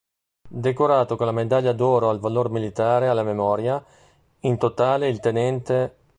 Decorato con la Medaglia d'oro al valor militare alla memoria, in totale il Ten.